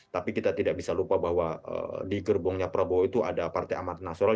tapi kita tidak bisa lupa bahwa di gerbongnya prabowo itu ada partai amat nasional